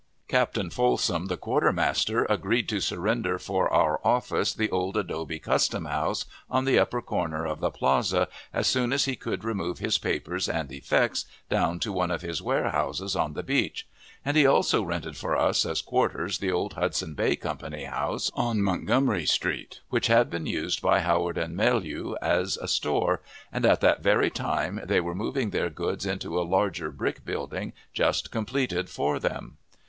Captain Folsom, the quartermaster, agreed to surrender for our office the old adobe custom house, on the upper corner of the plaza, as soon as he could remove his papers and effects down to one of his warehouses on the beach; and he also rented for us as quarters the old Hudson Bay Company house on Montgomery Street, which had been used by Howard & Mellua as a store, and at that very time they were moving their goods into a larger brick building just completed for them.